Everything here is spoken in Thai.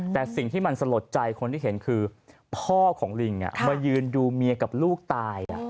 แต่สิ่งที่มันสลดใจคนที่เห็นคือพ่อของลิงมายืนดูเมียกับลูกตาย